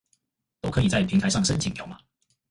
都可以在平台上申請條碼